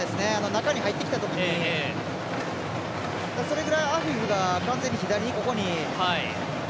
中に入ってきたときにそれぐらいアフィフが左に。